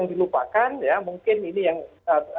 nah hanya saja yang dilupakan ya mungkin ini yang apa yang terjadi ya